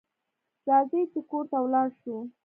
راځئ چې کور ته ولاړ شو